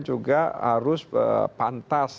juga harus pantas